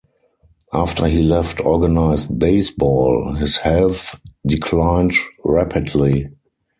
After he left organized baseball, his health declined rapidly.